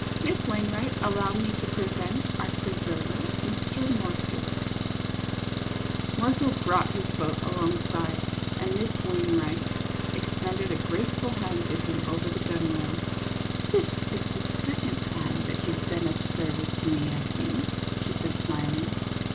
Miss Wainwright, allow me to present our preserver, Mr. Moorfield." O e II w 3 r < CLYDE MOORFIELD, YACHTSMAN. 4/ Moorfield brought his boat alongside, and Miss Wainwright extended a grateful hand to him over the gunwale. " This is the second time that you have been of service to me, I think," she said, smiling.